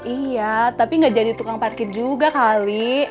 iya tapi gak jadi tukang parkir juga kali